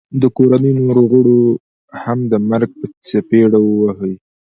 د کوړنۍ نورو غړو هم د مرګ په څپېړه وه وهي